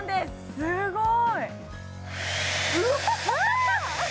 ・すごい！